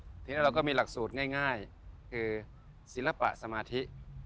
ใช่ค่ะอาการที่มีหลักศูนย์ง่ายคือศีรภะสมาธิ